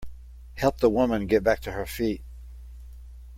Help the woman get back to her feet.